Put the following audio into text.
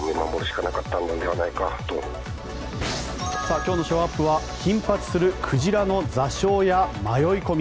今日のショーアップは頻発する鯨の座礁や迷い込み。